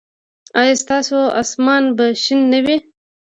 ایا ستاسو اسمان به شین نه وي؟